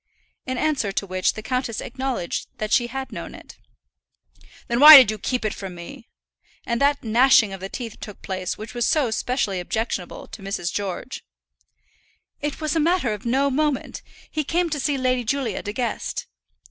In answer to which the countess acknowledged that she had known it. "Then why did you keep it from me?" And that gnashing of the teeth took place which was so specially objectionable to Mrs. George. "It was a matter of no moment. He came to see Lady Julia De Guest."